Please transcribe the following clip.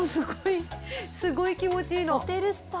すごい気持ちいいの。